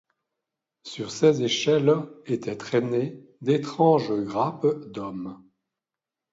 Sur ces échelles étaient traînées d'étranges grappes d'hommes.